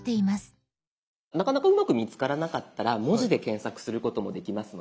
なかなかうまく見つからなかったら文字で検索することもできますので。